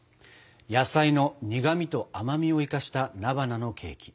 野菜の苦みと甘みを生かした菜花のケーキ。